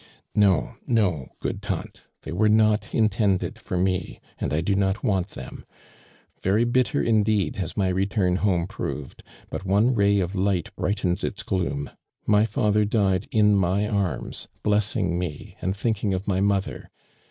" No, no, good tank. 'I1iey were not in tended for me, and I do not want them. "S'ery bitter indeed has my return home proved, but one ray of light brightens its gloom. My father died in my arms, bless ing me and thinking of my mother.